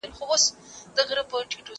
زه اوس اوبه پاکوم!؟